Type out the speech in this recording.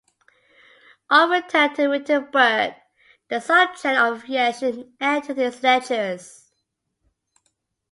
On return to Wittenberg the subject of aviation entered his lectures.